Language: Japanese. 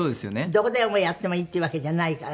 どこでやってもいいっていうわけじゃないから。